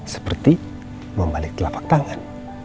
seperti membalik telapak tangan